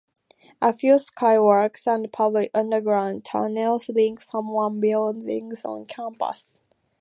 A few skywalks and public underground tunnels link some buildings on campus.